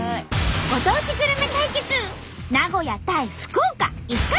ご当地グルメ対決名古屋対福岡１回戦。